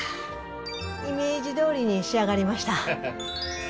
イメージどおりに仕上がりました。